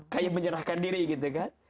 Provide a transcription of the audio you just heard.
kay menyerahkan diri gitu kan